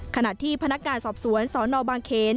ขณะที่พนักงานสอบสวนสนบางเขน